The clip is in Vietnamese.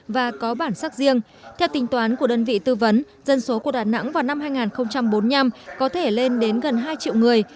và có bản sắc riêng theo tính toán của đơn vị tư vấn dân số của đà nẵng vào năm hai nghìn bốn mươi năm có thể lên đến gần hai triệu người